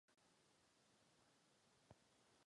Jsme na straně Číny nebo náměstí Tiananmen?